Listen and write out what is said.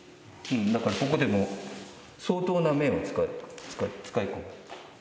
だからここで、もう相当な面を使い込んでる。